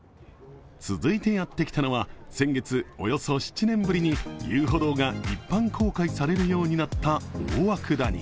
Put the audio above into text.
続いてやってきたのは、先月、およそ７年ぶりに遊歩道が一般公開されるようになった大涌谷。